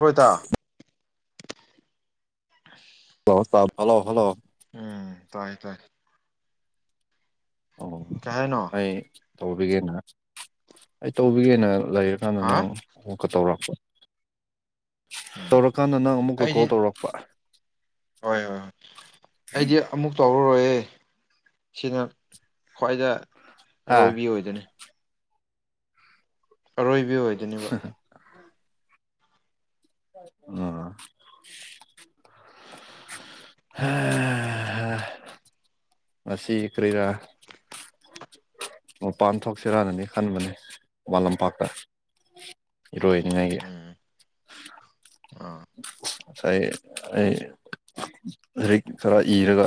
ꯍꯣꯏꯗ ꯍ hello hello ꯎꯝ ꯇꯥꯏ ꯇꯥꯏ ꯑꯣ ꯀꯩ ꯍꯥꯏꯅꯣ ꯑꯩ ꯇꯧꯕꯤꯒꯦꯅ ꯑꯩ ꯇꯧꯕꯤꯒꯦꯅ ꯂꯩꯔꯀꯥꯟꯗ ꯍꯥ ꯅꯪ ꯀ ꯇꯧꯔꯥꯛꯄ ꯎꯝ ꯇꯧꯔꯀꯥꯟꯗ ꯅꯪ ꯑꯃꯨꯛꯀ ꯑꯩꯗꯤ ꯀꯣꯜ ꯇꯧꯔꯛꯄ ꯍꯣꯏ ꯍꯣꯏ ꯍꯣꯏ ꯑꯩꯗꯤ ꯑꯃꯨꯛ ꯇꯧꯔꯔꯣꯏꯌꯦ ꯁꯤꯅ ꯈ꯭ꯋꯥꯏꯗ ꯍꯥ ꯑꯔꯣꯏꯕꯤ ꯑꯣꯏꯗ‌ꯣꯏꯅꯦ ꯑꯔꯣꯏꯕꯤ ꯑꯣꯏꯗꯣꯏꯅꯦꯕ ꯎ ꯍꯝ ꯃꯁꯤꯁꯤ ꯀ꯭ꯔꯔꯤꯔ ꯃꯄꯥꯟ ꯊꯣꯛꯁꯤꯔꯅꯅꯤ ꯈꯟꯕꯅꯦ ꯈꯨꯃꯟ ꯂꯝꯄꯥꯛꯇ ꯏꯔꯣꯏꯅꯤꯡꯉꯒꯤ ꯎꯝ ꯑꯥ ꯑꯩ ꯑꯩ ꯂꯥꯏꯔꯤꯛ ꯈꯔ ꯏꯔꯒ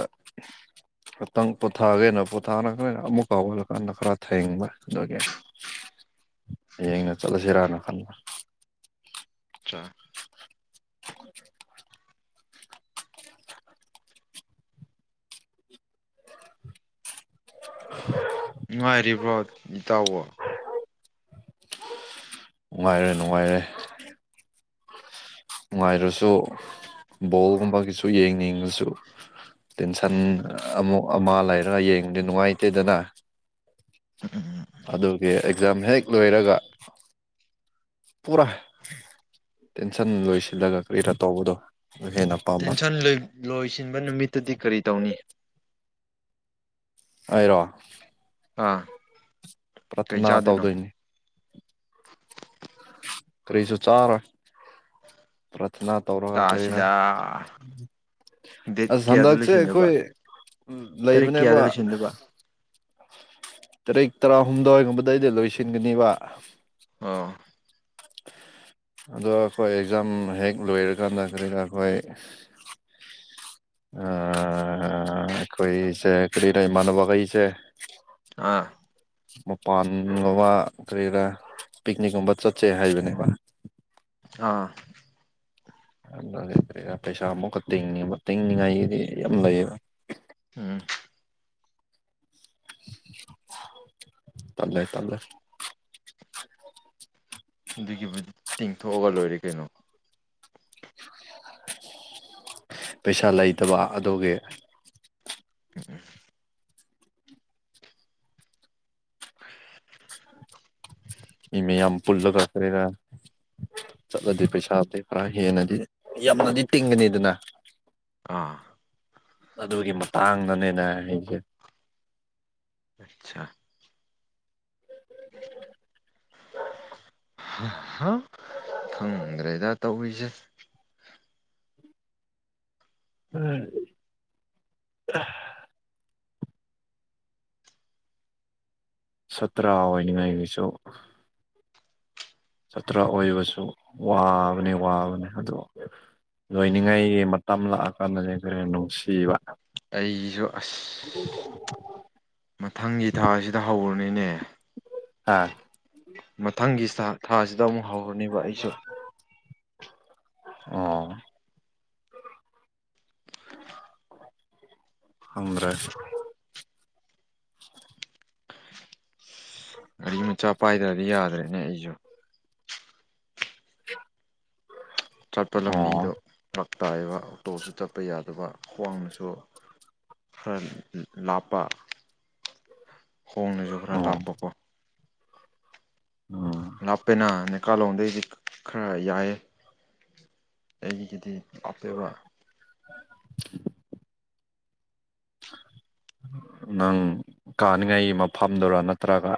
ꯈꯤꯇꯪ ꯄꯣꯊꯥꯒꯦꯅ ꯄꯣꯊꯥꯅ ꯑꯃꯨꯛ ꯍꯧꯔꯒꯂꯀꯥꯟꯗ ꯈꯔ ꯊ‌ꯦꯡꯕ ꯑꯗꯨꯒꯤ [unintelligible] ꯍꯌꯦꯡꯅ ꯆꯠꯂꯁꯤꯔꯥꯅ ꯈꯜꯂ ꯑꯆꯥ [unintelligible] ꯅꯨꯡꯉꯥꯏꯔꯤꯕ꯭ꯔꯣ ꯏꯇꯥꯎꯕꯣ꯫ ꯅꯨꯡꯉꯥꯏꯔꯦ ꯅꯨꯡꯉꯥꯏꯔꯦ ꯅꯨꯡꯉꯥꯏꯔꯁꯨ ꯕꯣꯜꯒꯨꯝꯕꯒꯤꯁꯨ ꯌꯦꯡꯅꯤꯡꯉꯁꯨ ꯇꯦꯟꯁꯟ ꯑꯃꯨꯛ ꯑꯃ ꯂꯩꯔꯒ ꯌꯦꯡꯗꯤ ꯅꯨꯡꯉꯥꯏꯇꯦꯗꯅ [inaudible] ꯑꯗꯨꯒꯤ ꯑꯦꯛꯖꯥꯝ ꯍꯦꯛ ꯂꯣꯏꯔꯒ ꯄꯨꯔꯥ ꯇꯦꯟꯁꯟ ꯂꯣꯏꯁꯤꯜꯂꯒ ꯀꯔꯤ ꯔ ꯇꯧꯕꯗꯣ ꯍꯦꯟꯅ ꯄꯥꯝꯕ ꯇꯦꯟꯁꯟ ꯂꯣꯏꯁꯤꯟꯕ ꯅꯨꯃꯤꯠꯇꯨꯗꯤ ꯀꯔꯤ ꯇꯧꯅꯤ ꯑꯩꯔꯣ ꯑꯥ ꯀꯩ ꯄ꯭ꯔꯊꯅꯥ ꯆꯥꯗꯣꯏꯅꯣ ꯇꯧꯗꯣꯏꯅꯤ [inaudible] ꯀꯔꯤꯁꯨ ꯆꯥꯔꯣꯏ ꯅꯥ ꯇꯧꯔꯒ ꯀꯔꯤꯔ ꯆꯥꯁꯤꯗ ꯗꯦꯠ ꯑꯁ ꯀꯌꯥꯗ ꯍꯟꯗꯛꯁꯦ ꯂꯣꯏꯁꯤꯟꯗꯕ ꯑꯩꯈꯣꯏ ꯇꯔꯤꯛ ꯀꯌꯥꯗ ꯂꯩꯕꯅꯦꯕ ꯂꯣꯏꯁꯤꯟꯗꯕ ꯇꯔꯦꯛ ꯇꯔꯥꯍꯨꯝꯗꯣꯏ ꯒꯨꯝꯕꯗꯩꯗꯤ ꯂꯣꯏꯁꯤꯟꯒꯅꯤꯕ ꯑꯥ ꯑꯗꯣ ꯑꯩꯈꯣꯏ ꯑꯦꯛꯖꯥꯝ ꯍꯦꯛ ꯂꯣꯏꯔꯀꯥꯟꯗ ꯀꯔꯤꯔ ꯑꯩꯈꯣꯏ ꯑ ꯑꯩꯈꯣꯏꯁꯦ ꯀꯔꯤꯔ ꯏꯃꯥꯟꯅꯕ ꯈꯩꯁꯦ ꯑꯥ ꯃꯄꯥꯟꯒꯨꯝꯕ ꯀꯔꯤꯔꯥ ꯄꯤꯛꯅꯤꯛꯀꯨꯝꯕ ꯆꯠꯁꯦ ꯍꯥꯏꯕꯅꯦꯕ ꯑꯥ ꯑꯗꯨ ꯄꯩꯁꯥ ꯑꯃꯨꯛꯀ ꯇꯦꯡꯅꯤꯡꯕ ꯇꯤꯡꯅꯤꯡꯉꯥꯏꯒꯤꯗꯤ ꯌꯥꯝ ꯂꯩꯌꯦꯕ꯫ ꯎꯝ ꯇꯜꯂꯦ ꯇꯜꯂꯦ ꯑꯗꯨꯒꯤꯕꯨꯗꯤ ꯇꯤꯡꯊꯣꯛꯑꯒ ꯂꯣꯏꯔꯦ ꯀꯩꯅꯣ ꯄꯩꯁꯥ ꯂꯩꯇꯕ ꯑꯗꯨꯒꯤ꯫ [inaudible] ꯃꯤ ꯃꯌꯥꯝ ꯄꯨꯜꯂ ꯀꯔꯦꯔ꯫ ꯆꯠꯂꯗꯤ ꯄꯩꯁꯥꯁꯦ ꯈꯔ ꯍꯦꯟꯅꯗꯤ ꯌꯥꯝꯅꯗꯤ ꯇꯤꯡꯒꯅꯤꯗꯅ꯫ ꯑꯥ ꯑꯗꯨꯒꯤ ꯃꯇꯥꯡꯗꯅꯦꯅꯦ ꯑꯩꯁꯦ꯫ ꯑꯆꯥ꯫ ꯈꯪꯗ꯭ꯔꯦꯗ ꯇꯧꯔꯤꯁꯦ꯫ ꯎꯝ꯫ ꯁꯇ꯭ꯔꯥ ꯑꯣꯏꯅꯤꯡꯉꯥꯏꯒꯤꯁꯨ꯫ ꯁꯥꯇ꯭ꯔ ꯑꯣꯏꯕꯁꯨ ꯋꯥꯕꯅꯦ ꯋꯥꯕꯅꯦ ꯑꯗꯣ꯫ ꯂꯣꯏꯅꯤꯡꯉꯥꯏꯒꯤ ꯃꯇꯝ ꯂꯥꯛꯑꯀꯥꯟꯗꯅꯤ ꯑꯈꯣꯌꯔ ꯅꯨꯡꯁꯤꯕ꯫ ꯑꯩꯁꯨ ꯑꯁ ꯃꯊꯪꯒꯤ ꯊꯥꯁꯤꯗ ꯍꯧꯔꯅꯤꯅꯦ꯫ ꯑꯥ ꯃꯊꯪꯒꯤ ꯊꯥꯁꯤꯗ ꯑꯃꯨꯛ ꯍꯧꯔꯅꯤꯕ ꯑꯩꯁꯨ꯫ ꯑꯣ꯫ ꯈꯪꯗꯔ꯭꯫ [inaudible] ꯎꯝ ꯃꯆꯥ ꯄꯥꯏꯗ꯭ꯔꯗꯤ ꯌꯥꯗ꯭ꯔꯦꯅꯦ ꯑꯩꯁꯨ꯫ [inaudible] ꯆꯠꯄ ꯑꯣ ꯂꯝꯕꯤꯗꯣ ꯐꯥꯛ ꯇꯥꯏꯕ ꯑꯣꯛꯇꯣꯁꯨ ꯆꯠꯄ ꯌꯥꯔꯦ꯫ ꯑꯗꯨꯒ ꯈ꯭ꯋꯥꯡꯅꯁꯨ ꯈꯔ ꯂꯥꯞꯄ꯫ ꯍꯣꯡꯅꯁꯨ ꯈꯔ ꯑꯣ ꯂꯥꯞꯄꯀꯣ꯫ ꯎꯝ꯫ ꯂꯥꯞꯄꯦꯅ ꯅꯦꯀꯥꯂꯣꯝꯗꯒꯤꯗꯤ ꯈꯔ ꯌꯥꯏꯌꯦ ꯑꯩꯒꯤꯗꯤ꯫ ꯑꯄꯦꯕ꯫ ꯅꯪ ꯀꯥꯅꯤꯡꯉꯥꯏꯒꯤ ꯃꯐꯝꯗꯨꯔ ꯅꯠꯇ꯭ꯔꯒ꯫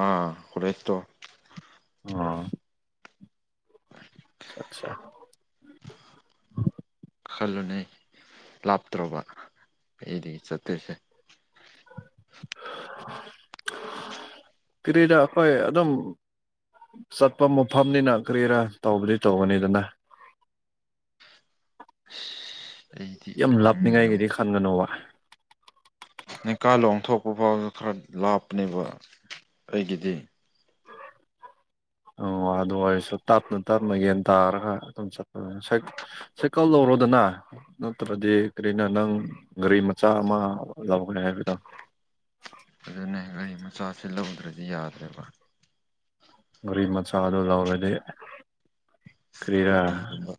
ꯑꯥ ꯍꯔꯤꯠꯇꯣ꯫ ꯑꯣ꯫ ꯑꯠꯆꯥ ꯈꯜꯂꯨꯅꯦ ꯂꯥꯞꯇ꯭ꯔꯕ ꯑꯩꯗꯤ ꯆꯠꯇꯣꯏꯁꯦ [unintelligible] ꯀꯔꯤꯔ ꯑꯈꯣꯏ ꯑꯗꯨꯝ ꯆꯠꯄ ꯃꯐꯝꯅꯤꯅ ꯀꯔꯤꯔꯥ ꯇꯧꯕꯗꯤ ꯇꯧꯒꯅꯤꯗꯅ [unintelligible] ꯌꯥꯝ ꯈꯪꯗ꯭ꯔꯦꯕ ꯂꯥꯞꯅꯤꯡꯉꯥꯏꯒꯤꯗꯤ ꯈꯟꯒꯅꯣꯕ ꯅꯤꯀꯥ ꯂꯣꯡ ꯊꯣꯛꯄ ꯐꯥꯎꯗ ꯈꯔ ꯂꯥꯞꯄꯅꯦꯕ ꯑꯩꯒꯤꯗꯤ [unintelligible] ꯑꯣ ꯑꯗꯨ ꯑꯣꯏꯔꯁꯨ ꯇꯞꯅ ꯇꯞꯅ ꯌꯦꯟ ꯇꯥꯔꯒ ꯑꯗꯨꯝ ꯆꯠꯄ ꯁꯥꯏꯀꯜ ꯂꯧꯔꯣꯗꯅ ꯅꯠꯇ꯭ꯔꯗꯤ ꯀꯔꯤꯅ ꯅꯪ ꯒꯥꯔꯤ ꯃꯆꯥ ꯑꯃ ꯂꯧꯒꯦ ꯍꯥꯏꯕꯗꯣ ꯑꯗꯨꯅꯦ ꯒꯥꯔꯤ ꯃꯆꯥꯁꯦ ꯂꯧꯗ꯭ꯔꯗꯤ ꯌꯥꯗ꯭ꯔꯦꯕ ꯒꯥꯔꯤ ꯃꯆꯥꯗꯣ ꯂꯧꯔꯗꯤ ꯁ꯭ꯀꯨꯇꯤ ꯒꯨꯝꯕ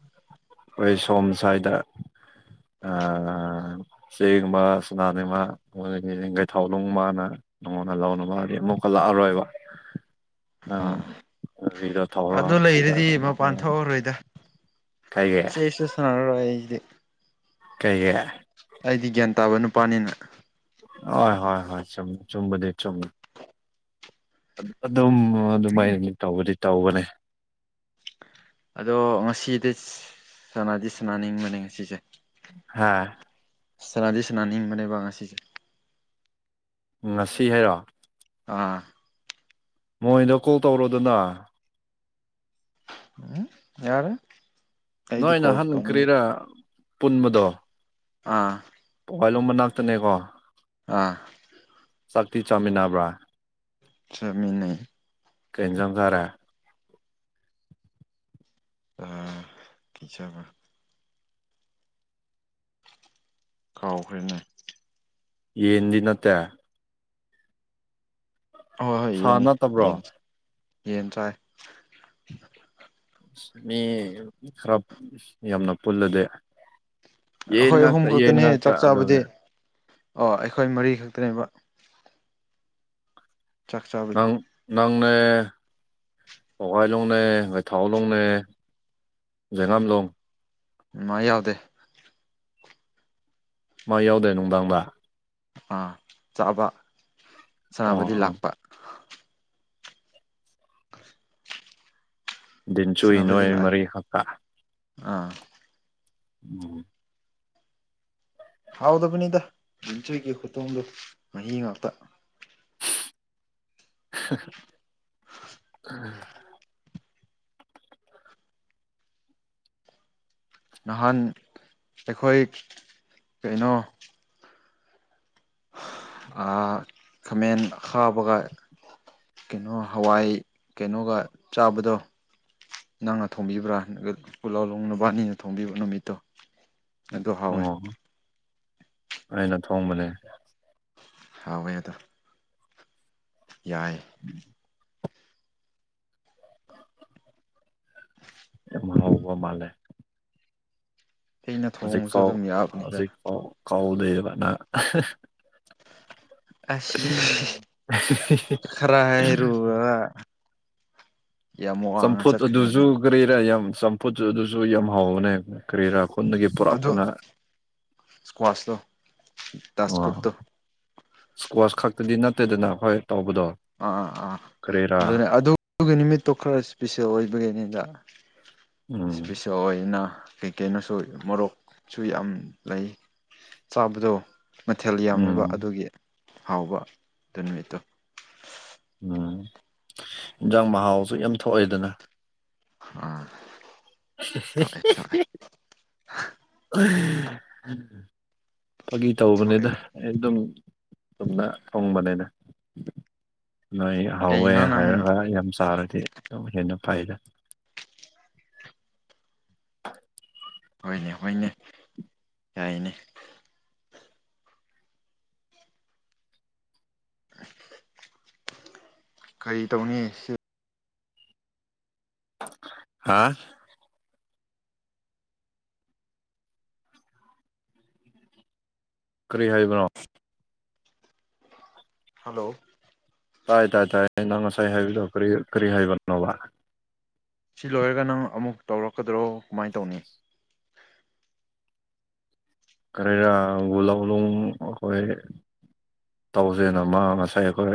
ꯍꯣꯏ ꯁꯣꯝ ꯁ꯭ꯋꯥꯏꯗ ꯑ ꯁꯤꯒꯨꯝꯕ ꯁꯨꯅꯥꯅꯤꯃ ꯒꯩ ꯊꯥꯎ ꯂꯅꯨꯡꯕꯅ ꯅꯣꯡꯉꯣꯟꯅ ꯂꯥꯎꯅꯕ [unintelligible] ꯂꯥꯛꯑꯔꯣꯏꯕ ꯑꯥ ꯅꯪ ꯒꯥꯔꯤꯗꯣ ꯊꯧꯔꯣ ꯑꯗꯨ ꯁꯤꯗ ꯂꯩꯔꯗꯤ ꯑꯗꯨꯝ ꯂꯥꯛꯄ ꯃꯄꯥꯟ ꯌꯥꯏ ꯊꯣꯛꯑꯔꯣꯏꯗ ꯀꯩꯒꯤ ꯆꯦꯁ ꯁꯨ ꯁꯥꯅꯔꯔꯣꯏ ꯑꯩꯗꯤ ꯀꯩꯒꯤ ꯑꯩꯗꯤ ꯒ꯭ꯌꯥꯟ ꯇꯥꯕ ꯅꯨꯄꯥꯅꯤꯅ ꯍꯣꯏ ꯍꯣꯏ ꯍꯣꯏ ꯆꯨꯝ ꯆꯨꯝꯕꯗꯤ ꯆꯨꯝꯃꯤ ꯑꯗꯨꯝ ꯑꯗꯨꯃꯥꯏꯅ ꯇꯧꯕꯗꯤ ꯇꯧꯕꯅꯦ ꯑꯗꯣ ꯉꯁꯤꯗꯤ ꯁꯅꯥꯗꯤ ꯁꯅꯥꯅꯤꯡꯕꯅꯦ ꯉꯁꯤꯁꯦ ꯍꯥꯥ ꯁꯅꯥꯗꯤ ꯁꯅꯥꯅꯤꯡꯕꯅꯦꯕ ꯉꯁꯤꯁꯦ ꯉꯁꯤ ꯍꯥꯏꯔꯣ ꯑꯥ ꯃꯣꯏꯗ ꯀꯣꯛ ꯇꯧꯔꯣꯗꯅ ꯎꯝ ꯌꯥꯔꯦ ꯑꯩꯗꯤ ꯅꯣꯏ ꯀꯣꯜ ꯅꯥꯍꯟ ꯇꯧꯅꯤꯡ ꯀꯔꯤꯔꯥ ꯄꯨꯟꯕꯗꯣ ꯑꯥ ꯋꯥꯏꯂꯣꯝ ꯃꯅꯥꯥꯛ ꯇꯅꯦꯀꯣ ꯑꯥ ꯆꯥꯛꯇꯤ ꯆꯥꯃꯤꯟꯅꯥꯕ꯭ꯔꯥ ꯆꯥꯃꯤꯟꯅꯩ ꯀꯩ ꯏꯟꯖꯥꯡ ꯆꯥꯔꯦ ꯑ ꯀꯩ ꯆꯥꯕ ꯀꯥꯎꯈ꯭ꯔꯦꯅꯦ ꯌꯦꯟꯗꯤ ꯅꯠꯇꯦ ꯍꯣꯏ ꯍꯣꯏ ꯁꯥ ꯌꯦꯟꯅꯤ ꯅꯠꯇꯕ꯭ꯔꯣ ꯌꯦꯟ ꯌꯦꯟ ꯆꯥꯏ ꯃꯤ ꯈꯔ ꯌꯥꯝꯅ ꯄꯨꯜꯂꯗꯤ ꯌꯦꯟ ꯑꯈꯣꯏ ꯑꯍꯨꯝ ꯉꯥꯛꯇ ꯌꯦꯟ ꯈꯛꯇꯅꯦ ꯉꯥꯛꯇ ꯆꯥꯛ ꯆꯥꯕꯗꯤ ꯑꯗꯨꯅꯦ ꯑꯣ ꯑꯩꯈꯣꯏ ꯃꯔꯤ ꯈꯛꯇꯅꯦꯕ ꯆꯥꯛ ꯆꯥꯕꯗꯤ ꯅꯦ ꯄꯧꯒꯥꯏꯂꯣꯡꯅꯦ ꯉꯩꯊꯥꯂꯣꯡꯅꯦ ꯖꯦꯉꯝꯂꯣꯡ ꯃꯥ ꯌꯥꯎꯗꯦ ꯃꯥ ꯌꯥꯎꯗꯦ ꯅꯨꯡꯗꯥꯡꯗ ꯑꯥ ꯆꯥꯕ ꯑꯣ ꯁꯅꯥꯅꯕꯗꯤ ꯑꯣ ꯂꯥꯛꯄ [unintelligible] ꯟꯆꯨ ꯁꯅꯥꯕꯗꯤ ꯅꯣꯏ ꯂꯥꯛꯑꯦ ꯃꯔꯤ ꯍꯥꯛꯀ ꯑꯥ ꯎꯝ ꯍꯥꯎꯗꯕ ꯇ ꯌꯦꯁꯨ ꯀ ꯈꯨꯇꯣꯡꯗ ꯑꯍꯤꯡ ꯉꯥꯛꯇ ꯑ ꯅꯍꯥꯟ ꯑꯩꯈꯣꯏ ꯀꯩꯅꯣ ꯈꯥꯃꯦꯟ ꯍꯥꯥꯕꯒ ꯀꯩꯅꯣ ꯍꯋꯥꯏ ꯀꯩꯅꯣꯒ ꯆꯥꯕꯗꯣ ꯅꯪꯅ ꯊꯣꯡꯕꯤꯕ꯭ꯔꯥ ꯅ ꯄꯨꯂꯥꯂꯣꯡ ꯅꯨꯕꯥꯅꯤꯅ ꯊꯣꯡꯕꯤꯕ ꯅꯨꯃꯤꯠꯇꯣ ꯑꯗꯨ ꯍꯥꯎꯋꯦ ꯑꯣ ꯑꯩꯅ ꯊꯣꯡꯕꯅꯦ ꯍꯋ ꯌꯥ ꯑꯗꯣ ꯌꯥꯏ ꯎꯝ ꯍꯥꯎ ꯎꯕ ꯃꯥꯂꯦ ꯑꯩꯅ ꯍꯧꯖꯤꯛ ꯊꯣꯡꯕꯁꯨ ꯐꯥꯎ ꯑꯗꯨꯝ ꯌꯥꯕꯅꯤꯗ ꯍꯧꯖꯤꯛꯐꯥꯎ ꯀꯥꯎꯗꯦꯕꯅ ꯑꯁ ꯈꯔ ꯍꯥꯏꯔꯨ ꯆꯝꯐꯨꯠ ꯑꯗꯨꯁꯨ ꯆꯠꯈ꯭ꯔꯦꯅꯦ ꯀꯔꯤꯔꯥ ꯌꯥꯝ ꯆꯝꯐꯨꯠ ꯑꯗꯨꯁꯨ ꯌꯥꯝ ꯍꯥꯎꯕꯅꯦ ꯀꯔꯤꯔꯥ ꯗꯒꯤ ꯄꯨꯔꯥ ꯈꯅ ꯑꯗꯣ ꯏꯁꯀ꯭ꯋꯥꯁꯇꯣ ꯗꯥꯁꯀꯨꯠꯇꯣ ꯏꯁꯀ꯭ꯋꯥꯁ ꯈꯥꯛꯇꯗꯤ ꯅ ꯇꯦꯗꯅ ꯍꯣꯏ ꯑꯥ ꯑꯥ ꯑꯥ ꯑꯗꯨꯅꯦ ꯑꯗꯨꯒꯤ ꯅꯨꯃꯤꯠꯇꯣ ꯈꯔ ꯏꯁꯄꯤꯁꯦꯜ ꯑꯣꯏꯕꯒꯤꯅꯤꯗ ꯎꯝ ꯁꯤꯄꯤꯁ ꯑꯣꯏꯅ ꯀꯩ ꯀꯩꯅꯣꯁꯨ ꯃꯣꯔꯣꯛꯁꯨ ꯌꯥꯝ ꯂꯩ ꯆꯥꯕꯗꯣ ꯃꯊꯦꯜ ꯌꯥꯝꯃꯤꯕ ꯎꯝ ꯑꯗꯨꯒꯤ ꯍꯥꯎꯕ ꯑꯗꯨ ꯅꯨꯃꯤꯠꯇꯣ ꯎꯝ ꯏꯟꯖꯥꯡ ꯃꯍꯥꯎꯁꯨ ꯌꯥꯝ ꯊꯣꯛꯑꯦꯗꯅ ꯑꯥ ꯊꯣꯛꯑꯦ ꯊꯣꯛꯑꯦ [unintelligible] ꯐꯒꯤ ꯊꯣꯛꯑꯦ ꯇꯧꯕꯅꯤꯗ ꯊꯣꯛꯑꯦ ꯑꯩ ꯑꯗꯨꯝ ꯆꯨꯝꯅ ꯊꫭꯡꯕꯅꯤꯗ ꯅꯣꯏ ꯍꯧꯋꯦ ꯀꯩꯅꯣ ꯅꯪ ꯍꯥꯏꯔꯒ ꯌꯥꯝ ꯆꯥꯔꯗꯤ ꯑꯗꯨꯝ ꯍꯦꯟꯅ ꯐꯩꯗ [unintelligible] ꯍꯣꯏꯅꯦ ꯍꯣꯏꯅꯦ ꯌꯥꯏꯅꯦ ꯀꯔꯤ ꯇꯧꯅꯤ ꯁꯤ ꯍꯥꯥ ꯀꯔꯤ ꯍꯥꯏꯕꯅꯣ ꯍꯜꯂꯣ ꯇꯥꯏ ꯇꯥꯏ ꯇꯥꯏ ꯅꯪ ꯉꯁꯥꯏ ꯍꯥꯏꯕꯗꯣ ꯀꯔꯤ ꯀꯔꯤ ꯍꯥꯏꯕꯅꯣꯕ ꯁꯤ ꯂꯣꯏꯔꯒ ꯅꯪ ꯑꯃꯨꯛ ꯇꯧꯔꯛꯀꯗ꯭ꯔꯣ ꯀꯃꯥꯏꯅ ꯇꯧꯅꯤ ꯀꯔꯦꯔ ꯋꯨꯂꯧꯂꫭꯡ ꯑꯩꯈꯣꯏ ꯇꯧꯁꯦꯅ ꯃꯥ ꯉꯁꯥꯏ ꯑꯩꯈꯣꯏ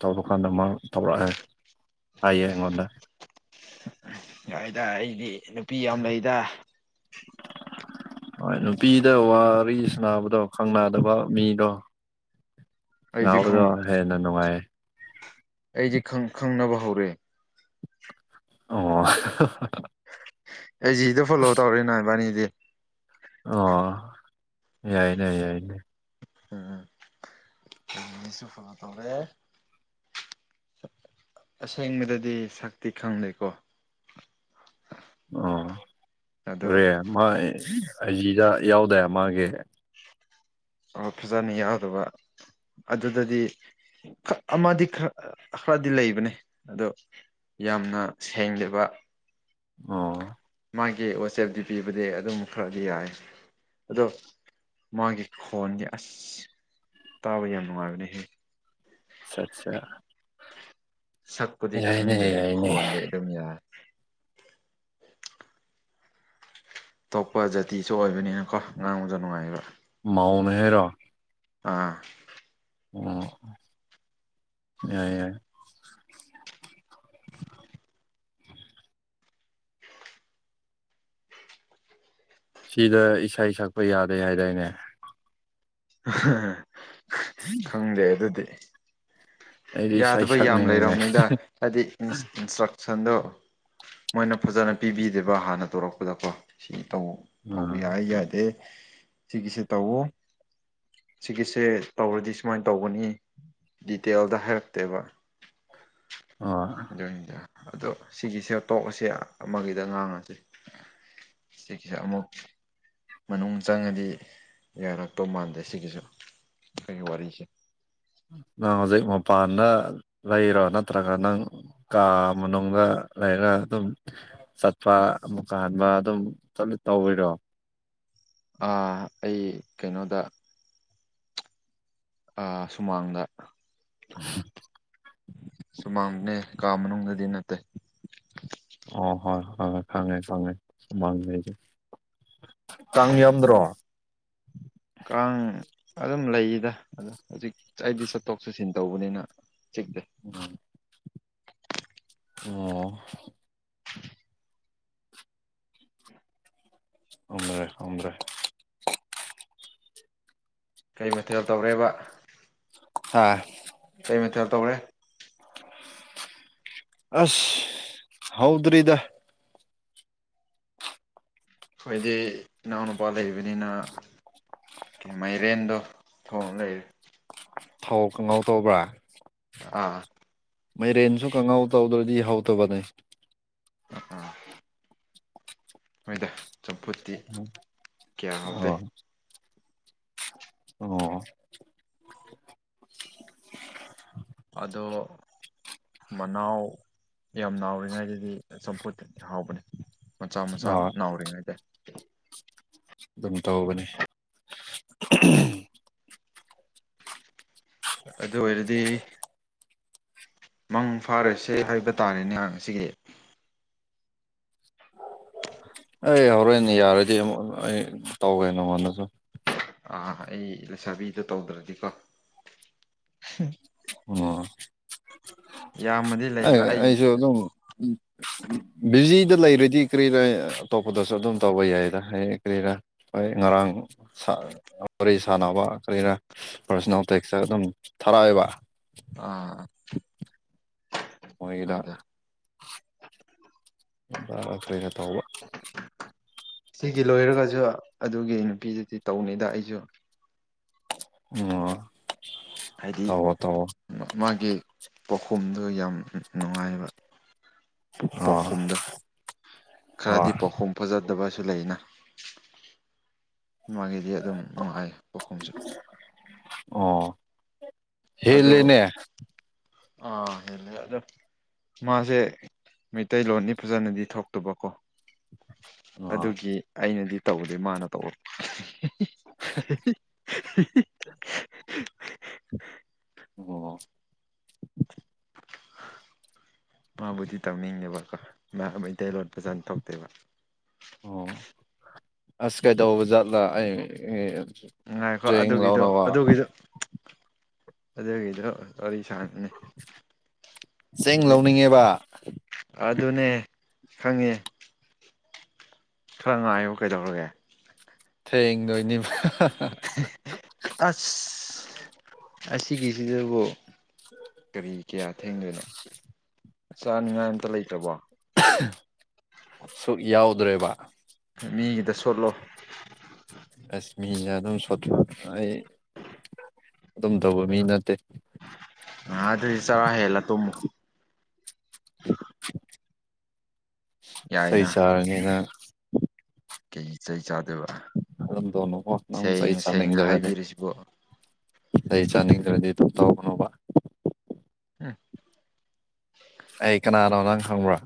ꯇꯧꯕ ꯀꯥꯟꯗ ꯃꯥ ꯇꯧꯔꯛꯑꯦ ꯍꯥꯏꯌ‌ꯦ ꯑꯩꯉꯣꯟꯗ ꯌꯥꯏꯗ ꯑꯩꯗꯤ ꯅꯨꯄꯤ ꯌꯥꯝ ꯂꯩꯗ ꯍꯣꯏ ꯅꯨꯄꯤꯗ ꯋꯥꯔꯤ ꯁꯥꯅꯕꯗꯣ ꯈꯪ ꯗꯕ ꯃꯤꯗꯣ ꯑꯩꯗꯤ ꯈꯪ ꯅꯥꯎꯗꯣ [unintelligible] ꯍꯦꯟꯅ ꯅꯨꯡꯉꯥꯏꯌꯦ ꯑꯩꯗꯤ ꯈꯪ ꯈꯪꯅꯕ ꯍꯧꯔꯦ ꯑꯣ ꯑꯩ ꯖꯤꯗ ꯐꯣꯂꯣ ꯇꯧꯔꯦꯅꯥ ꯏꯕꯥꯅꯤꯗꯤ ꯑꫭ ꯌꯥꯏꯅꯦ ꯌꯥꯏꯅꯦ ꯎꯝ ꯑꯥꯏꯖꯤꯁꯨ ꯐꫭꯂꫭ ꯇꯧꯔꯦ ꯑꯁꯦꯡꯕꯗꯗꯤ ꯁꯛꯇꯤ ꯈꯪꯗ‌ꯦꯀꯣ ꯑꯣ ꯔꯦ ꯃꯥꯥꯏ ꯑꯩꯖꯤꯗ ꯌꯥꯎꯗꯥꯏ ꯃꯥꯒꯤ ꯑꯣ ꯐꯖꯅ ꯌꯥꯎꯗꯕ ꯑꯗꯨꯗꯗꯤ ꯑꯃꯗꯤ ꯈꯔꯗꯤ ꯂꯩꯕꯅꯦ ꯑꯗꯣ ꯌꯥꯝꯅ ꯁꯦꯡꯗꯕ ꯑꫭ ꯃꯥꯒꯤ ꯋꯥꯆꯦꯞꯗꯤ ꯄꯤꯕꯨꯗꯤ ꯑꯗꯨꯝ ꯈꯔꯗꯤ ꯌꯥꯏꯌ‌ꯦ ꯑꯗꯣ ꯃꯥꯒꯤ ꯈꯣꯟꯒꯤ ꯑꯁ ꯇꯥꯕ ꯌꯥꯝ ꯅꯨꯡꯉꯥꯏꯕꯅꯦꯍꯦ ꯑꯠꯆꯥ ꯑꯠꯆꯥ ꯁꯛꯄꯨꯗꯤ ꯌꯥꯏꯅꯦ ꯈꯪꯗꯦ ꯌꯥꯏꯅꯦ ꯈꯣꯟꯗꯦ ꯑꯗꯨꯝ ꯌꯥꯏꯦ ꯑꯇꯣꯞꯄ ꯖꯥꯇꯤꯁꯨ ꯑꯣꯏꯕꯅꯤꯅꯀꯣ ꯉꯥꯡꯕꯗꯨ ꯅꯨꯡꯉꯥꯏꯕ ꯃꯥꯎꯅ‌ꯦ ꯍꯥꯏꯔꯣ ꯑꯥ ꯑꯣ ꯌꯥꯏ ꯌꯥꯏ ꯁꯤꯗ ꯏꯁꯩ ꯁꯛꯄ ꯌꯥꯗꯦ ꯍꯥꯏꯗꯥꯏꯅꯦ ꯈꯪꯗꯦ ꯑꯗꯨꯗꯤ ꯑꯩꯗꯤ ꯏꯁꯩ ꯌꯥꯗꯕ ꯌꯥꯝ ꯁꯛꯅꯤꯡꯉꯤꯅꯦ ꯂꯩꯔꯕꯅꯤꯅ ꯍꯥꯏꯗꯤ ꯏꯟꯁꯇ꯭ꯔꯛ ꯁꯟꯗꯣ ꯃꯣꯏꯅ ꯐꯖꯅ ꯄꯤꯕꯤꯗꯦꯕ ꯍꯥꯟꯅ ꯇꯧꯔꯛꯄꯗꯀꯣ ꯁꯤꯅꯤ ꯇꯧꯕ ꯎꯝ ꯌꯥꯏ ꯌꯥꯗꯦ ꯁꯤꯒꯤꯁꯤ ꯇꯧꯋꫭ ꯁꯤꯒꯤꯁꯦ ꯇꯧꯔꯗꯤ ꯁꯨꯃꯥꯏꯅ ꯇꯧꯒꯅꯤ ꯗꯤꯇꯦꯜꯗ ꯍꯥꯏꯔꯛꯇꯦꯕ ꯑꯥ ꯑꯗꯨꯅꯤꯗ ꯑꯗꯣ ꯁꯤꯒꯤꯁꯦ ꯇꯣꯛ ꯑꯁꯦ ꯑꯃꯒꯤꯗ ꯉꯥꯡꯉꯁꯤꯩ ꯁꯤꯒꯤꯁ‌ꯦ ꯑꯃꯃꯨꯛ ꯃꯅꯨꯡ ꯆꯪꯉꯗꯤ ꯌꯥꯔꯛꯇꯧ ꯃꯥꯟꯗꯦ ꯁꯤꯒꯤꯁꯨ ꯑꯩꯈꯣꯏꯒꯤ ꯋꯥꯔꯤꯁꯦ ꯅꯪ ꯍꯧꯖꯤꯛ ꯃꯄꯥꯟꯗ ꯂꯩꯔꯣ ꯅꯠꯇ꯭ꯔꯒ ꯅꯪ ꯀꯥ ꯃꯅꯨꯡꯗ ꯂꯩꯅ ꯑꯗꯨꯝ ꯆꯠꯄ ꯑꯃꯨꯛꯀ ꯍꯟꯕ ꯑꯗꯨꯝ ꯆꯠꯂ ꯇꯧꯕꯋꯤꯔꯣ ꯑꯩ ꯀꯩꯅꯣꯗ ꯁꯨꯃꯥꯡꯗ [inaudible] ꯁꯨꯃꯥꯡꯅꯦ ꯀꯥ ꯃꯅꯨꯡꯗꯗꯤ ꯅꯠꯇꯦ ꯑꯣ ꯍꯣꯏ ꯍꯣꯏ ꯈꯥꯡꯉꯦ ꯈꯥꯡꯉꯦ ꯈꯥꯡꯉꯦ ꯁꯨꯃꯥꯡꯂꯦꯁꯦ ꯀꯥꯡ ꯌꯥꯝꯗ꯭ꯔꯣ ꯀꯥꯡ ꯑꯗꯨꯝ ꯂꯩꯗ ꯑ ꯍꯧꯖꯤꯛ ꯑꯩꯗꯤ ꯆꯠꯊꯣꯛ ꯆꯠꯁꯤꯟ ꯇꯧꯕꯅꯤꯅ ꯆꯠꯅ ꯑꯣ [inaudible] ꯎꯝꯔꯦ ꯎꯝꯔꯦ ꯀꯩ ꯃꯊꯦꯜ ꯇꯧꯔꯦꯕ ꯑ ꯀꯩ ꯃꯊꯦꯜ ꯇꯧꯔꯦ ꯑꯁ ꯍꯥꯎꯗ꯭ꯔꯗ ꯑꯩꯈꯣꯏꯗꯤ ꯏꯅꯥꯎꯅꯨꯄꯥ ꯂꯩꯕꯅꯤꯅ ꯦ ꯃꯥꯏꯔꯦꯟꯗꯣ ꯊꯣꯡ ꯂꯩꯔꯦ ꯊꯧ ꯇꯧꯕ꯭ꯔꯥ ꯑꯥ ꯃꯩꯔꯦꯟꯁꯨ ꯀꯪꯍꯥꯎ ꯇꯧꯗ꯭ꯔꯗꯤ ꯍꯧꯗꯕꯅꯦ ꯑ ꯅꯣꯏꯗ ꯆꯝꯐꯨꯠꯇꯤ ꯀꯌꯥ ꯍꯥꯎꯇꯦ ꯑꯣ ꯑꯣ ꯑꯗꯣ ꯃꯅꯥꯎ ꯌꯥꯝ ꯅꯥꯎꯔꯤꯉꯩꯗꯗꯤ ꯆꯝꯐꯨꯠꯇꯗꯤ ꯍꯥꯎꯕꯅꯦ ꯃꯆꯥ ꯃꯆꯥ ꯍꯣꯏ ꯅꯥꯎꯔꯤꯉꯩꯗ ꯑꯗꯨꯝ ꯇꯧꯕꯅꯤ ꯑꯗꯨ ꯑꯣꯏꯔꯗꯤ ꯃꯪ ꯐꯥꯔꯁꯦ ꯍꯥꯏꯕ ꯇꯥꯔꯦꯅꯦꯍꯁꯤ ꯑꯩ ꯍꯧꯔꯣꯏꯅꯦ ꯌꯥꯔꯗꯤꯨ ꯑꯩ ꯇꯧꯒꯦ ꯅꯉꯣꯟꯗꯁꯨ ꯑꯥ ꯑꯩ ꯂꯩꯁꯥꯕꯤꯗ ꯇꯧꯗ꯭ꯔꯗꯤꯀꯣ ꯑꯣ ꯌꯥꯝꯃꯗꯤ ꯑꯩ ꯂꯩꯕ ꯑꯩꯁꯨ ꯑꯗꯨꯝ ꯕꯤꯖꯤꯗ ꯂꯩꯔꯗꯤ ꯀꯔꯤꯔꯥ ꯑꯇꯣꯞꯄꯗꯁꯨ ꯑꯗꯨꯝ ꯇꯧꯕ ꯌꯥꯏꯗ ꯍꯌꯦꯡ ꯀꯔꯤꯔꯥ ꯍꯣꯏ ꯉꯔꯥꯡ ꯋꯥꯔꯤ ꯁꯥꯟꯅꯕ ꯀꯔꯤꯔꯥ ꯄꯔꯁꯅꯦꯜ ꯇꯦꯛꯁꯇ ꯑꯗꯨꯝ ꯄꯥꯏꯕ ꯑ ꯑꯣꯏꯣꯏꯗ ꯐ ꯇ ꯍꯕ ꯁꯤꯒꯤ ꯂꯣꯏꯔꯒꯁꯨ ꯑꯗꯨꯒꯤ ꯅꯨꯄꯤꯗꯨꯗꯤ ꯇꯧꯅꯤꯗ ꯑꯩꯁꯨ ꯑꯣ ꯍꯥꯏꯗꯤ ꯃꯥꯒꯤ ꯄꯥꯎꯈꯨꯝꯗꯨ ꯌꯥꯝ ꯅꯨꯡꯉꯥꯏꯕ ꯑꯥ ꯄꯥꯎꯈꯨꯝꯗ ꯑꯥ ꯈꯔꯗꯤ ꯄꯥꯎꯈꯨꯝ ꯐꯖꯗꯕ ꯁꯨ ꯂꯩꯅ ꯃꯥ ꯃꯥꯒꯤꯗꯤ ꯑꯗꯨꯝ ꯅꯨꯡꯉꯥꯏ ꯄꯥꯎꯈꯨꯝꯁꯨ ꯑꯣ ꯍꯦꯜꯂꯦꯅꯦ ꯑ ꯑꯗꯨ ꯑꯗ ꯃꯥꯁꯦ ꯃꯩꯇꯩꯂꯣꯟꯅꯤ ꯐꯖꯅꯗꯤ ꯊꯣꯛꯇꯕꯀꯣ ꯑꯥ ꯑꯗꯨꯒꯤ ꯑꯩꯅꯗꯤ ꯇꯧꯗꯣꯏ ꯃꯥꯅ ꯇꯧ [unintelligible] ꯑꯣ [unintelligible] ꯃꯥꯕꯨꯗꯤ ꯇꯧꯅꯤꯡꯉꯦꯕꯀꯣ ꯃꯥ ꯃꯩꯇꯩ ꯂꯣꯟꯠ ꯐꯖꯅ ꯊꯣꯛꯧꯇꯦꯕ ꯑꯣ ꯑꯁ ꯀꯩ ꯇ ꯖꯥꯠꯂꯥ ꯑꯩ ꯉꯅꯨꯡꯉꯥꯏꯈꯣ ꯆꯦꯡ ꯑꯗꯨꯒꯤꯗꯣ ꯂꯧꯔꯕ ꯑꯗꯨꯒꯤꯗꯣ ꯑꯗꯨꯒꯤꯗꯣ ꯁꯥꯟꯅꯅꯤ ꯆꯦꯡ ꯂꯧꯅꯤꯡꯉꯦꯕ ꯑꯗꯨꯅꯦ ꯈꯪꯉꯦ ꯈꯔ ꯉꯥꯏꯌꯨ ꯀꯩꯗꯧꯔꯒꯦ ꯊꯦꯡ ꯅꯣꯏꯅꯤꯕ ꯑꯁ ꯑꯁꯤꯒꯤꯁꯤꯗꯕꯨ ꯀꯔꯤ ꯀꯌꯥ ꯊꯦꯡꯗꯣꯏꯅꯣ ꯆꯥꯅꯤꯡꯉꯥꯏ ꯑꯝꯇ ꯂꯩꯇꯕꯣ ꯁꯨꯛ ꯌꯥꯎꯗ꯭ꯔꯦꯕ ꯃꯤꯒꯤꯗ ꯁꯣꯠꯂꯣ ꯀꯥꯁꯃꯤ ꯑꯗꯨꯝ ꯁ ꯑꯩ ꯑꯗꯨꯝ ꯇꯧꯕ ꯃꯤ ꯅꯠꯇꯦ ꯉꯥꯏꯍꯥꯛꯇꯗꯤ ꯆꯔꯥ ꯍꯦꯜꯂ ꯇꯨꯝꯃꯨ [unintelligible] ꯁꯩ ꯌꯥꯏꯅ ꯆꯥꯔꯅꯤꯅ ꯀꯩ ꯁꯩ ꯆꯥ ꯑꯗꯨꯝ ꯗꯅ ꯋꯥꯅ ꯁꯦꯡꯅ ꯄꯩꯁꯥꯅꯗꯔꯅꯦꯦ ꯍꯥꯏꯕꯤꯔꯤꯁꯤꯕꯨ ꯑꯩ ꯆꯥꯅꯤꯡꯗ꯭ꯔꯗꯤ ꯑꯗꯨꯝ ꯇꯧꯕꯅꯣꯕ ꯎꯝ ꯑꯩ ꯀꯅꯥꯅꯣ ꯅꯪ ꯈꯪꯕ꯭ꯔꯥ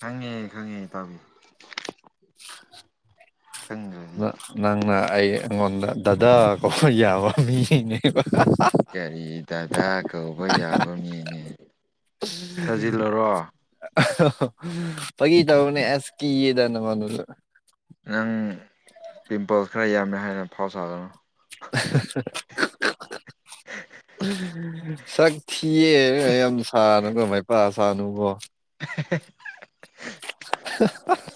ꯈꯪꯉꯦ ꯈꯪꯉꯦ ꯇꯥꯕꯤꯌꯨ ꯅꯪꯅ ꯑꯩ ꯑꯩꯉꯣꯟꯗ ꯗꯗꯥꯗꯥ ꯀꯣ ꯌꯥꯕ ꯃꯤꯅꯦꯕ ꯀꯔꯤ ꯗꯗꯥ ꯀꯧꯕ ꯌꯥꯕ ꯃꯤꯅꯦ ꯊꯥꯖꯤꯜꯂꯔꯣ ꯐꯒꯤ ꯇ ꯃꯅꯤ ꯑꯁꯀꯤ ꯌꯦꯗꯅ ꯃꯅ ꯅꯪ ꯄꯤꯝꯄꯜꯁ ꯈꯔ ꯌꯥꯝꯃꯦ ꯍꯥꯏꯗꯅ ꯐꯥꯎ ꯆꯥꯗꯅꯣ ꯁ ꯀꯤꯌꯦ ꯌꯥꯝ ꯁꯥꯅꯨꯀꯣ ꯃꯥꯏꯄꯥ ꯁꯥꯅꯨꯕꯣ [unintelligible]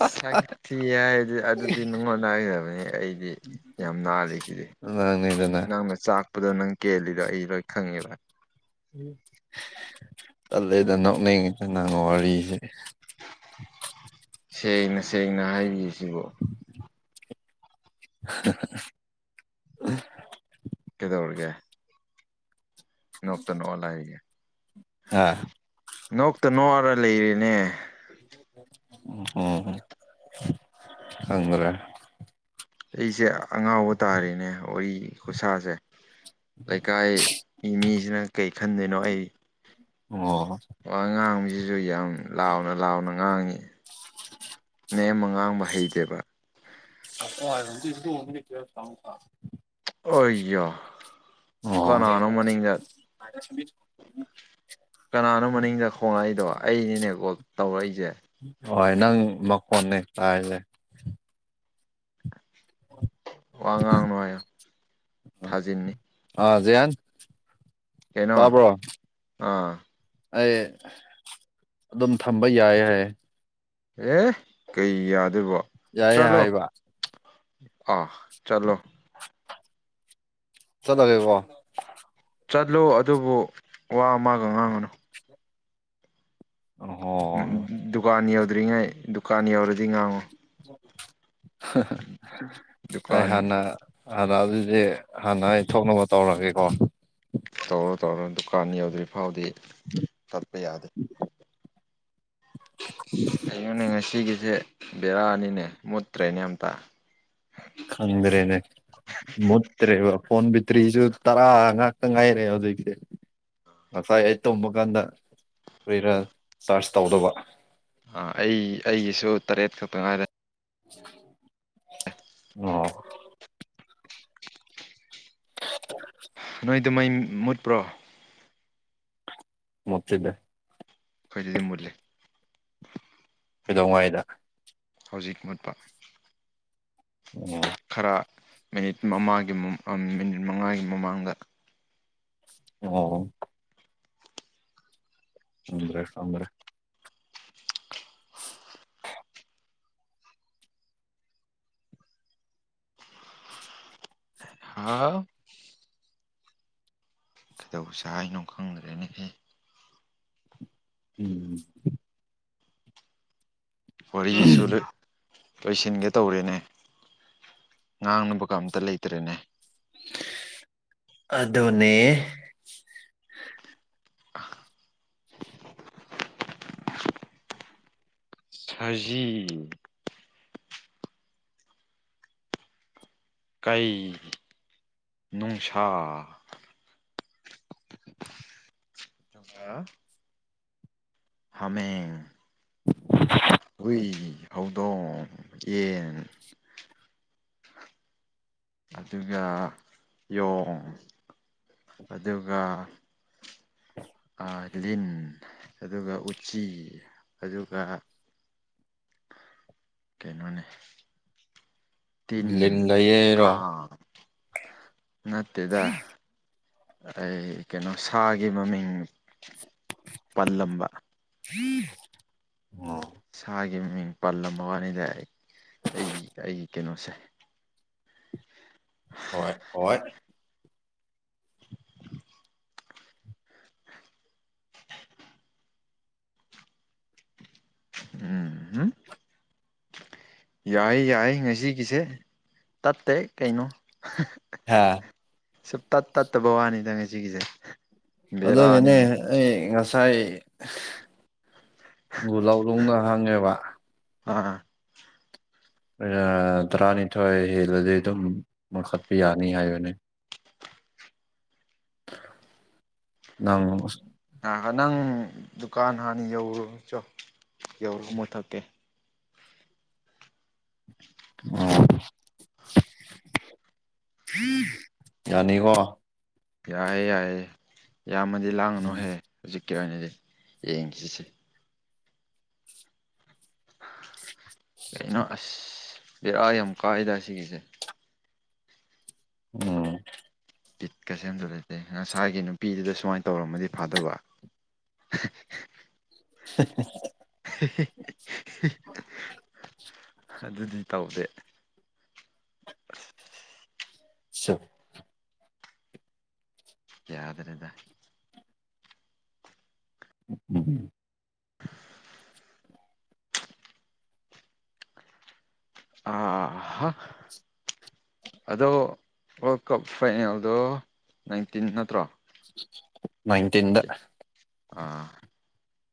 ꯁꯥ ꯊꯤ ꯍꯥꯏꯔꯗꯤ ꯑꯗꯨꯗꯤ ꯅꯨꯡꯉꯣꯟ ꯅꯥꯏꯒꯗꯕꯅꯤ ꯑꯩꯗꯤ ꯌꯥꯝ ꯅꯥꯜꯂꯤꯁꯤꯗꯤ ꯅꯪꯅꯤꯗꯅ ꯅꯪꯅ ꯆꯥꯛꯄꯗꯣ ꯅꯪ ꯀꯦꯜꯂꯤꯗꯣ ꯑꯩ ꯂꯣꯏ ꯈꯪꯉꯦꯕ ꯎ ꯆꯠꯂꯦꯗ ꯅꯣꯛꯅꯉꯗ ꯅꯪ ꯋꯥꯔꯤꯁꯦ ꯁꯦꯡꯅ ꯁꯦꯡꯅ ꯍꯥꯏꯕꯤꯁꯤꯕꯣ ꯎ ꯀꯗꯧꯔꯒꯦ ꯅꯛꯇꯅꯣꯂ ꯍꯥꯏꯒ ꯑ ꯅꯣꯛꯇ ꯅꯣꯛꯑꯔ ꯂꯩꯔꯦꯅꯦ ꯑꯣꯝ ꯑꯗꯨ꯭ꯔꯦ ꯑꯩꯁꯦ ꯑꯉꯥꯎꯕ ꯇꯥꯔꯤꯦꯅꯦ ꯋꯥꯔꯤ ꯈꯨꯠꯁꯥꯁꯦ ꯂꯩꯀꯥꯏꯒꯤ ꯃꯤꯁꯤꯅ ꯀꯩ ꯈꯟꯗꯣꯏꯅꯣ ꯑꯩ ꯑꯣ ꯍ ꯉꯥꯡꯕꯁꯤꯁꯨ ꯌꯥꯝ ꯂꯥꯎꯅ ꯂꯥꯎꯅ ꯉꯥꯡꯉꯤ ꯅꯦꯝ ꯃ ꯉꯥꯡꯕ ꯍꯩꯇꯦꯕ ꯑꯣ ꯑꯗꯨ ꯏꯗꯟꯅ ꯀ ꯇꯉ ꯑꯣꯏꯣ ꯑꯣ ꯀꯅꯥꯅꯣ ꯃꯅꯤꯒ ꯀꯅꯥꯅꯣ ꯃꯅꯤꯡꯗ ꯈꯣꯡꯉꯛꯏꯗꯣ ꯑꯩꯅꯤꯅꯦ ꯀꯣꯜ ꯇꯧꯔꯛꯏꯁꯦ ꯍꯣꯏ ꯅꯪ ꯃꯈꯣꯟꯅꯤ ꯍꯥꯏꯁꯦ ꯋꯥ ꯉꯥꯡ ꯅꯨꯡꯉ ꯊꯥꯖꯤꯟꯅꯤ ꯖꯌꯥꯟ ꯀꯩꯅꯣ ꯑꯥ ꯑꯩ ꯑꯗꯨꯝ ꯊꯝꯕ ꯌꯥꯏ ꯍꯥꯏ ꯑꯦ ꯀꯩ ꯌꯥꯗ ꯌꯥꯏ ꯍꯥꯏꯕ ꯑꯣ ꯆꯂꯣ ꯆꯠꯂꯒꯦꯀꯣ ꯆꯠꯂꯨ ꯑꯗꯨꯕꯨ ꯋꯥ ꯑꯃꯒ ꯉꯥꯡꯒꯅꯨ ꯑꯣꯍꯣ ꯑꯝ ꯗꯨꯀꯥꯟ ꯌꯧꯗ꯭ꯔꯤꯉꯩ ꯗꯨꯀꯥꯟ ꯌꯧꯔꯗꯤ ꯉꯥꯡꯉꯨ ꯑꯩ ꯗꯨꯀꯥꯟ ꯍꯥꯟꯅ ꯑꯗ ꯑꯗꯨꯗꯤ ꯍꯥꯟꯅ ꯑꯩ ꯊꯣꯛꯅꯕ ꯇꯧꯔꯒꯦꯀꯣ ꯇꯧꯔꯣ ꯇꯧꯔꯣ ꯗꯨꯀꯥꯟ ꯌꯧꯗ꯭ꯔꯤ ꯐꯥꯎꯗꯤ ꯆꯠꯄ ꯌꯥꯗꯦ ꯑꯩꯩꯅꯅꯦ ꯉꯁꯤꯒꯤꯁꯦ ꯕꯦꯔꯥꯅꯤꯅꯦ ꯃꯨꯠꯇ꯭ꯔꯦꯅꯦ ꯑꯝꯇ ꯈꯪꯗ꯭ꯔꯦꯅꯦ ꯃꯠꯇ꯭ꯔꯦꯕ ꯐꯣꯟ ꯇ꯭ꯔꯤꯁꯨ ꯇꯔꯥ ꯉꯥꯛꯇ ꯉꯥꯏꯔꯦ ꯍꯧꯖꯤꯛꯁꯦ ꯉꯁꯥꯏ ꯑꯩ ꯇꯨꯝꯕ ꯀꯥꯟꯗ ꯀ꯭ꯔꯤꯔ ꯆꯥꯔꯖ ꯇꯧꯗꯕ ꯑꯩ ꯑꯩꯒꯤꯁꯨ ꯇꯔꯦꯠ ꯈꯛꯇ ꯉꯥꯏꯔꯦ ꯑ [unintelligible] ꯅꯣꯏꯗꯨ ꯃꯩ ꯃꯨꯠꯄ꯭ꯔꯣ ꯃꯨꯠꯇꯤꯗꯦ ꯈꯣꯏꯗꯗꯤ ꯃꯨꯠꯂꯦ ꯀꯩꯗꯧꯉꯩꯗ ꯍꯧꯖꯤꯛ ꯃꯨꯠꯄ ꯎꯝ ꯈꯔ ꯃꯤꯅꯤꯠ ꯃꯃꯥꯒꯤ ꯃꯤꯅꯤꯠ ꯃꯉꯥꯒꯤ ꯃꯃꯥꯡꯗ ꯑꯣ ꯑꯗ꯭ꯔꯦ ꯑꯣꯝꯕ꯭ꯔꯦ ꯍꯥꯎ ꯀꯩꯗꯧꯁꯦ ꯍꯥꯏꯅꯣ ꯈꯪꯗ꯭ꯔꯦꯅ ꯍꯦ ꯎꯝ ꯋꯥꯔꯤꯁꯨ ꯂꯣꯏꯁꯤꯟꯒꯦ ꯇꯧꯔꯦꯅꯦ ꯉꯥꯡꯅꯕ ꯀ ꯑꯝꯇ ꯂꯩꯇ꯭ꯔꯦꯅꯦ ꯑꯗꯨꯗꯅꯦ [unintelligible] ꯁꯖꯤ ꯀꯩ ꯅꯨꯡꯁꯥ [inaudible] ꯍꯥꯃꯦꯡ ꯍꯨꯏ ꯍꯧꯗꯣꯡ ꯌꯦꯟ ꯑꯗꯨꯒ ꯌꯣꯡ ꯑꯗꯨꯒ ꯑ ꯂꯤꯟ ꯑꯗꯨꯒ ꯎꯆꯤ ꯑꯗꯨꯒ ꯀꯩꯅꯣꯅꯦ ꯇꯤꯟ ꯂꯤꯟ ꯂꯩꯌꯦꯔꯣ ꯀꯥꯡ ꯅꯠꯇꯦꯗ ꯑꯩ ꯀꯩꯅꯣ ꯁꯥꯒꯤ ꯃꯃꯤꯡ ꯄꯜꯂꯝꯕ ꯎꯝ ꯁꯥꯒꯤ ꯃꯃꯤꯡ ꯄꯜꯂꯝꯕ ꯋꯥꯅꯤꯗ ꯑꯩꯒꯤ ꯑꯩꯒꯤ ꯀꯩꯅꯣꯁꯦ ꯍꯣꯏ ꯍꯣꯏ ꯎꯝꯝ ꯌꯥꯏ ꯌꯥꯏ ꯉꯁꯤꯒꯤꯁꯦ ꯇꯠꯇꯦ ꯀꯩꯅꯣ ꯍꯥꯥ ꯁꯨꯝ ꯇꯠ ꯇꯠꯇꯕ ꯋꯥꯅꯤꯗꯪ ꯉ ꯁꯤꯒꯤꯁꯦ ꯑꯗꯣ ꯏꯅꯦ ꯑꯩ ꯉꯁꯥꯏ ꯒꯨ ꯂꯧꯧꯂꯅꯨꯡꯅ ꯍꯪꯉꯦꯕ ꯑꯥ ꯇꯔꯥꯅꯤꯊꯣꯏ ꯍꯦꯜꯂꯗꯤ ꯑꯗꯨꯝ ꯃꯈꯈꯠꯄ ꯌꯥꯅꯤ ꯍꯥꯏꯕꯅꯦ ꯪ [unintelligible] ꯅꯪ ꯗꯨꯀꯥꯟ ꯍꯥꯟꯅ ꯌꯧꯔꯨꯔ ꯆꯣ ꯌꯧꯔꯣ ꯃꯨꯊꯛꯀꯦ [inaudible] ꯌꯥꯅꯤꯀꯣ ꯌꯥꯏꯑꯦ ꯌꯥꯏꯑ ꯌꯥ ꯃ ꯎꯝ ꯂꯥꯡꯥꯡꯅꯣꯍꯦ ꯍꯧꯖꯤ ꯀ ꯑꯣꯏꯅꯗꯤ ꯌꯦꯡꯁꯤꯁꯦ ꯀꯩꯅꯣ ꯑꯁ ꯕꯤꯦꯔꯥ ꯌꯥꯝ ꯀꯥꯏꯗ ꯁꯤꯒꯤꯁꯦ ꯎꯝ ꯕꯤꯠꯀꯁꯦ ꯑꯝꯇ ꯂꯩꯇꯦ ꯉꯁꯥꯏꯒꯤ ꯅꯨꯄꯤꯗꯨꯗ ꯁꯨꯃꯥꯏꯅ ꯇꯧꯔꯝꯃꯗꯤ ꯐꯥꯗꯧꯕ [inaudible] ꯍꯦꯍꯦꯍꯦ ꯑꯗꯨꯗꯤ ꯇꯧꯗꯦ [inaudible] ꯁ [inaudible] ꯌꯥꯗ꯭ꯔꯦꯗ ꯎ ꯑꯥ ꯑꯗꯣ ꯋꯥꯔꯜ ꯀꯞ ꯐꯥꯏꯅꯦꯜꯗꯣ ꯅꯥꯏꯟꯇꯤꯟ ꯅꯠꯇ꯭ꯔꯣ ꯃꯥꯏꯟꯇꯤꯟꯗ ꯑꯥ